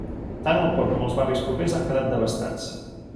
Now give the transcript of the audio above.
Tant el port com els barris propers han quedat devastats.